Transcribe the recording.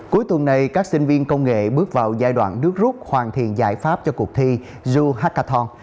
cuối tuần này các sinh viên công nghệ bước vào giai đoạn nước rút hoàn thiện giải pháp cho cuộc thi ju hakaton